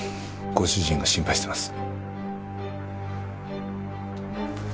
ご主人が心配してます。